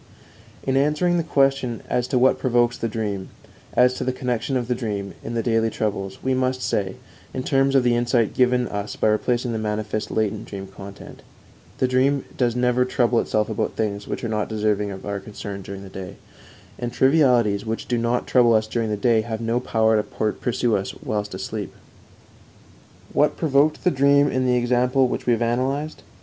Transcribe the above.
In answering the question as to what provokes the dream, as to the connection of the dream, in the daily troubles, we must say, in terms of the insight given us by replacing the manifest latent dream content: _The dream does never trouble itself about things which are not deserving of our concern during the day, and trivialities which do not trouble us during the day have no power to pursue us whilst asleep_. What provoked the dream in the example which we have analyzed?